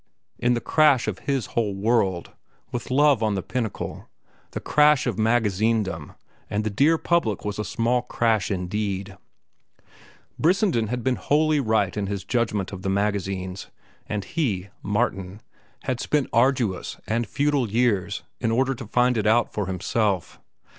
In the crash of his whole world, with love on the pinnacle, the crash of magazinedom and the dear public was a small crash indeed. Brissenden had been wholly right in his judgment of the magazines, and he, Martin, had spent arduous and futile years in order to find it out for himself.